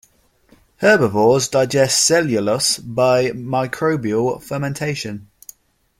Herbivores digest cellulose by microbial fermentation.